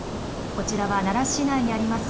こちらは奈良市内にあります